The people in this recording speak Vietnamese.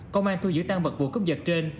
công an thu giữ tang vật vụ cướp dật trên